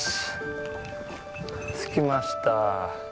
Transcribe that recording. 着きました。